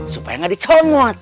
supaya gak dicomot